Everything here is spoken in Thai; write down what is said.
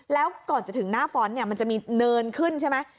แล้วก่อนจะถึงหน้าฟ้อนต์เนี่ยมันจะมีเนินขึ้นใช่ไหม